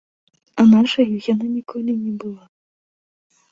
А нашаю яна ніколі й не была.